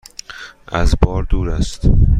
از بار دور است؟